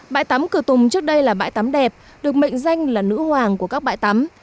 bãi tắm cửa tùng trước đây là bãi tắm đẹp được mệnh danh là nữ hoàng của các bãi tắm